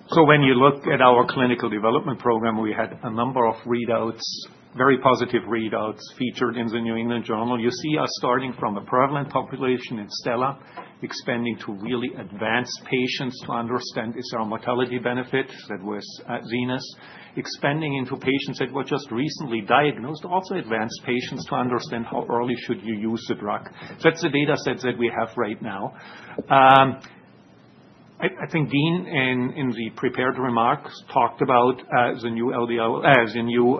so when you look at our clinical development program, we had a number of readouts, very positive readouts featured in the New England Journal of Medicine. You see us starting from the prevalent population in STELLA, expanding to really advanced patients to understand is there a mortality benefit that was at ZENITH, expanding into patients that were just recently diagnosed, also advanced patients to understand how early should you use the drug. So that's the data sets that we have right now. I think Dean in the prepared remarks talked about the new label, the new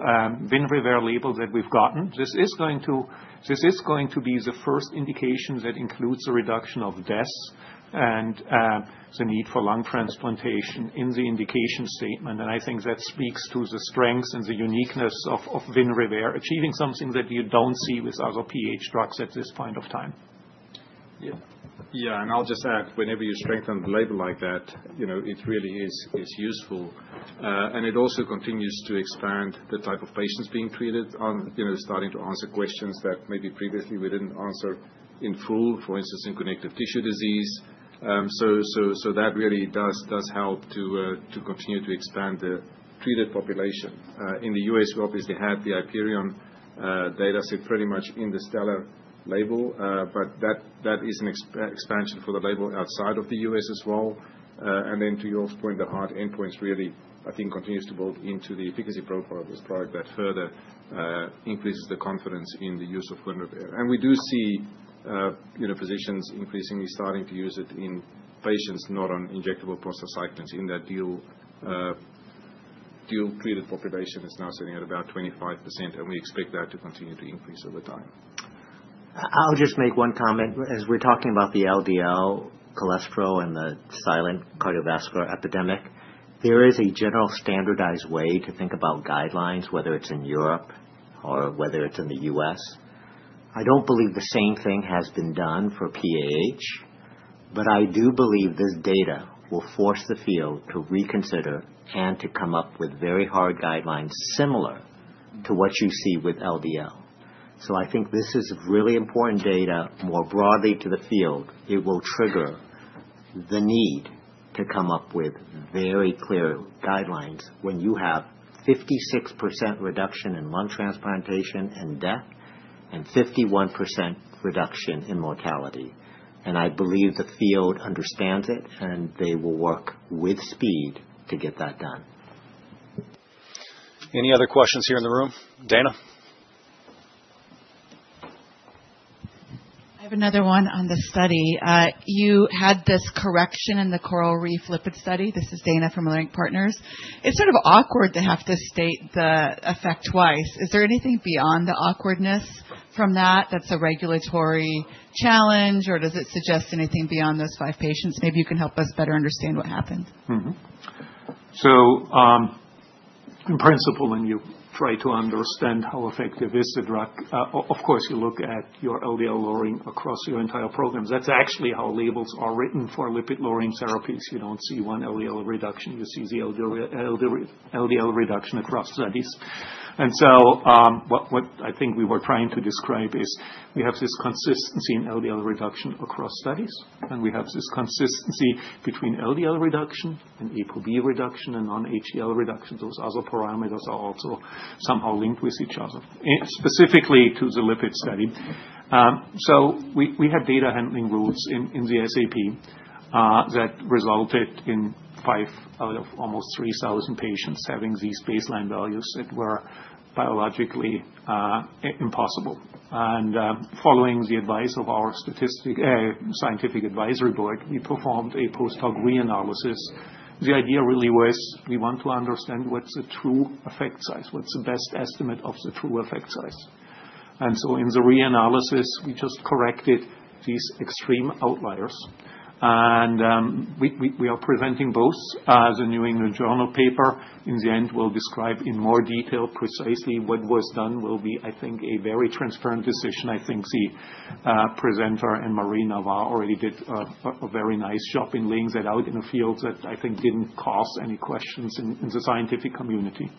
Winrevair label that we've gotten. This is going to be the first indication that includes a reduction of deaths and the need for lung transplantation in the indication statement. And I think that speaks to the strengths and the uniqueness of Winrevair, achieving something that you don't see with other PAH drugs at this point of time. Yeah. And I'll just add, whenever you strengthen the label like that, it really is useful. It also continues to expand the type of patients being treated, starting to answer questions that maybe previously we didn't answer in full, for instance, in connective tissue disease. So that really does help to continue to expand the treated population. In the US, we obviously had the HYPERION data set pretty much in the initial label, but that is an expansion for the label outside of the US as well. And then to Roger's point, the hard endpoints really, I think, continues to build into the efficacy profile of this product that further increases the confidence in the use of Winrevair. And we do see physicians increasingly starting to use it in patients not on injectable prostocyclins in that dual-treated population is now sitting at about 25%, and we expect that to continue to increase over time. I'll just make one comment. As we're talking about the LDL cholesterol and the silent cardiovascular epidemic, there is a general standardized way to think about guidelines, whether it's in Europe or whether it's in the US. I don't believe the same thing has been done for PAH, but I do believe this data will force the field to reconsider and to come up with very hard guidelines similar to what you see with LDL. So I think this is really important data more broadly to the field. It will trigger the need to come up with very clear guidelines when you have 56% reduction in lung transplantation and death and 51% reduction in mortality. And I believe the field understands it, and they will work with speed to get that done. Any other questions here in the room? Daina? I have another one on the study. You had this correction in the CORALreef Lipid study. This is Daina from Leerink Partners. It's sort of awkward to have to state the effect twice. Is there anything beyond the awkwardness from that that's a regulatory challenge, or does it suggest anything beyond those five patients? Maybe you can help us better understand what happened. So in principle, when you try to understand how effective is the drug, of course, you look at your LDL lowering across your entire programs. That's actually how labels are written for lipid-lowering therapies. You don't see one LDL reduction. You see the LDL reduction across studies. And so what I think we were trying to describe is we have this consistency in LDL reduction across studies, and we have this consistency between LDL reduction and ApoB reduction and non-HDL reduction. Those other parameters are also somehow linked with each other, specifically to the lipid study. So we had data handling rules in the SAP that resulted in five out of almost 3,000 patients having these baseline values that were biologically impossible. And following the advice of our scientific advisory board, we performed a post hoc reanalysis. The idea really was we want to understand what's the true effect size, what's the best estimate of the true effect size. And so in the reanalysis, we just corrected these extreme outliers. And we are presenting both the New England Journal of Medicine paper. In the end, we'll describe in more detail precisely what was done. It will be, I think, a very transparent decision. I think the presenter and Ann Marie Navar already did a very nice job in laying that out in a field that I think didn't cause any questions in the scientific community.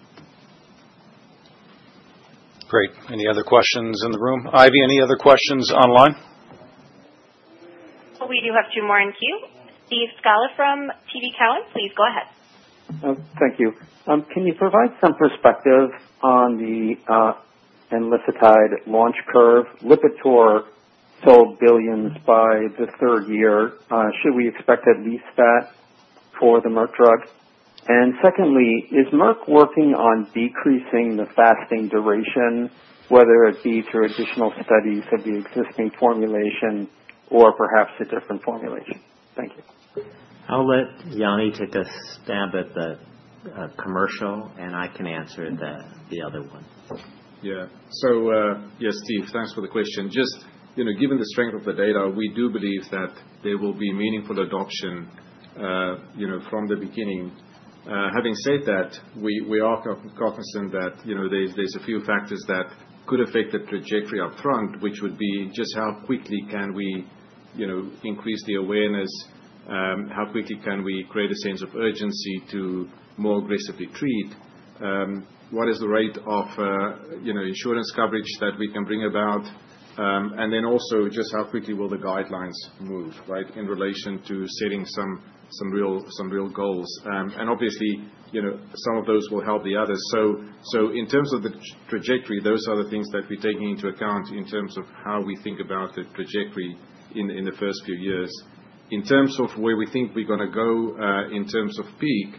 Great. Any other questions in the room? Ivy, any other questions online? We do have two more in queue. Steve Scala from TD Cowen, please go ahead. Thank you. Can you provide some perspective on the Enlisted Launch curve? Lipitor sold billions by the third year. Should we expect at least that for the Merck drug? And secondly, is Merck working on decreasing the fasting duration, whether it be through additional studies of the existing formulation or perhaps a different formulation? Thank you. I'll let Janni take a stab at the commercial, and I can answer the other one. Yeah. So yes, Steve, thanks for the question. Just given the strength of the data, we do believe that there will be meaningful adoption from the beginning. Having said that, we are cognizant that there's a few factors that could affect the trajectory upfront, which would be just how quickly can we increase the awareness, how quickly can we create a sense of urgency to more aggressively treat, what is the rate of insurance coverage that we can bring about, and then also just how quickly will the guidelines move in relation to setting some real goals. And obviously, some of those will help the others. So in terms of the trajectory, those are the things that we're taking into account in terms of how we think about the trajectory in the first few years. In terms of where we think we're going to go in terms of peak,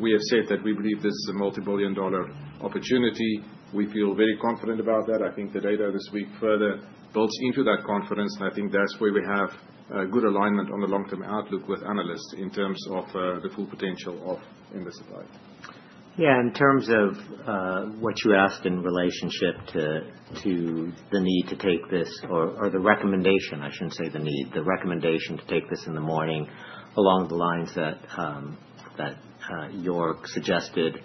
we have said that we believe this is a multi-billion dollar opportunity. We feel very confident about that. I think the data this week further builds into that confidence, and I think that's where we have good alignment on the long-term outlook with analysts in terms of the full potential of Enlisted. Yeah. In terms of what you asked in relationship to the need to take this or the recommendation, I shouldn't say the need, the recommendation to take this in the morning, along the lines that York suggested,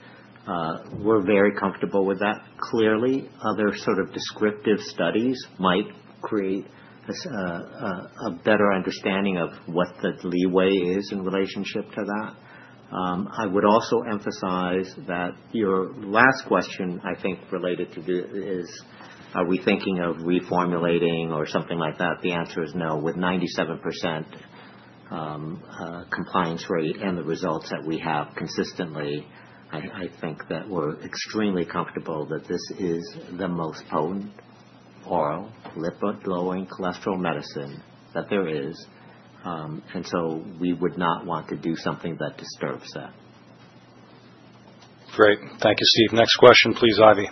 we're very comfortable with that clearly. Other sort of descriptive studies might create a better understanding of what the leeway is in relationship to that. I would also emphasize that your last question, I think, related to this is, are we thinking of reformulating or something like that? The answer is no. With 97% compliance rate and the results that we have consistently, I think that we're extremely comfortable that this is the most potent oral lipid-lowering cholesterol medicine that there is. And so we would not want to do something that disturbs that. Great. Thank you, Steve. Next question, please, Ivy.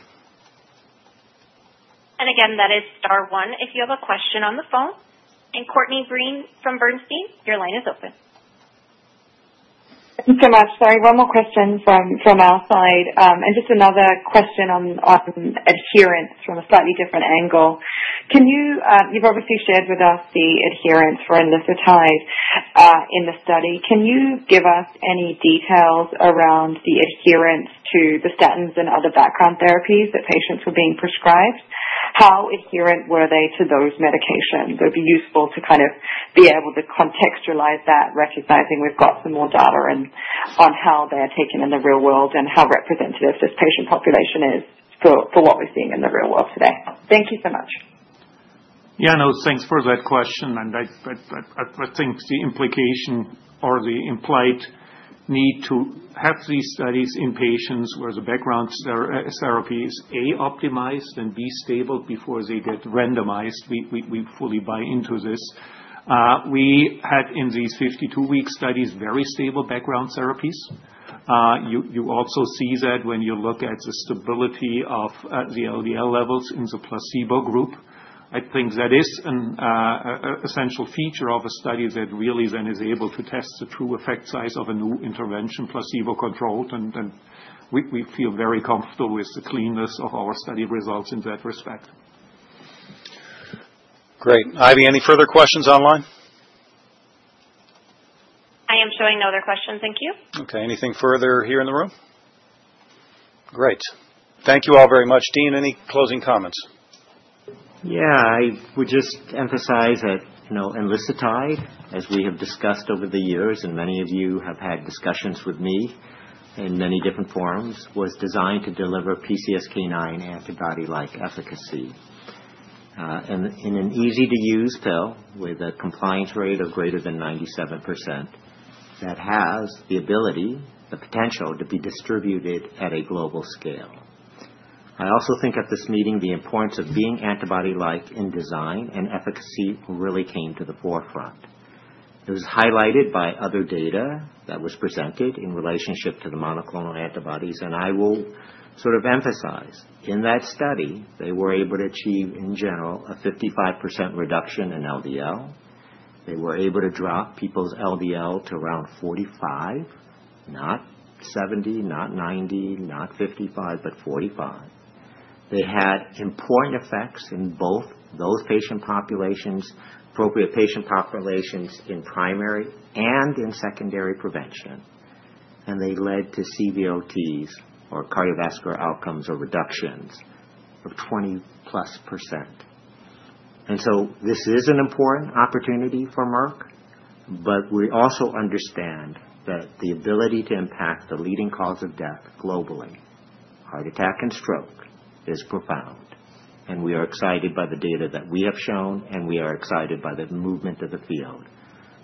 And again, that is Star One if you have a question on the phone. And Courtney Breen from Bernstein, your line is open. Thank you so much. Sorry, one more question from our side. And just another question on adherence from a slightly different angle. You've obviously shared with us the adherence for Enlisted in the study. Can you give us any details around the adherence to the statins and other background therapies that patients were being prescribed? How adherent were they to those medications? It would be useful to kind of be able to contextualize that, recognizing we've got some more data on how they're taken in the real world and how representative this patient population is for what we're seeing in the real world today. Thank you so much. Yeah. No, thanks for that question. And I think the implication or the implied need to have these studies in patients where the background therapy is A, optimized and B, stable before they get randomized. We fully buy into this. We had in these 52-week studies very stable background therapies. You also see that when you look at the stability of the LDL levels in the placebo group. I think that is an essential feature of a study that really then is able to test the true effect size of a new intervention, placebo-controlled. And we feel very comfortable with the cleanness of our study results in that respect. Great. Ivy, any further questions online? I am showing no other questions. Thank you. Okay. Anything further here in the room? Great. Thank you all very much. Dean, any closing comments? Yeah. I would just emphasize that Enlisted, as we have discussed over the years, and many of you have had discussions with me in many different forums, was designed to deliver PCSK9 antibody-like efficacy. And in an easy-to-use pill with a compliance rate of greater than 97%, that has the ability, the potential to be distributed at a global scale. I also think at this meeting, the importance of being antibody-like in design and efficacy really came to the forefront. It was highlighted by other data that was presented in relationship to the monoclonal antibodies. I will sort of emphasize in that study, they were able to achieve, in general, a 55% reduction in LDL. They were able to drop people's LDL to around 45, not 70, not 90, not 55, but 45. They had important effects in both those patient populations, appropriate patient populations in primary and in secondary prevention. They led to CVOTs or cardiovascular outcomes or reductions of 20-plus %. This is an important opportunity for Merck, but we also understand that the ability to impact the leading cause of death globally, heart attack and stroke, is profound. We are excited by the data that we have shown, and we are excited by the movement of the field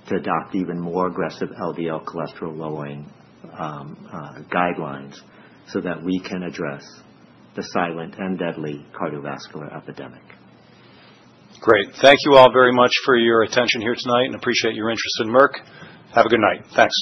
to adopt even more aggressive LDL cholesterol-lowering guidelines so that we can address the silent and deadly cardiovascular epidemic. Great. Thank you all very much for your attention here tonight, and appreciate your interest in Merck. Have a good night. Thanks.